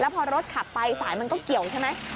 พอรถขับไปสายมันก็เกี่ยวใช่ไหม